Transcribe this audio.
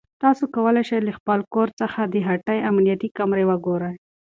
تاسو کولای شئ چې له خپل کور څخه د هټۍ امنیتي کامرې وګورئ.